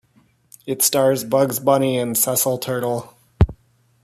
It stars Bugs Bunny and Cecil Turtle.